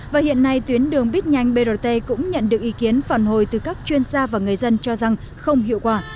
và hiện nay tuyến đường bít nhanh brt cũng nhận được ý kiến phản hồi từ các chuyên gia và người dân cho rằng không hiệu quả